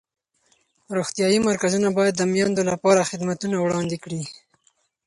روغتیایي مرکزونه باید د میندو لپاره خدمتونه وړاندې کړي.